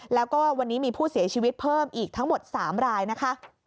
แล้วก็วันนี้มีผู้เสียชีวิตเพิ่มอีกทั้งหมด๓รายนะคะ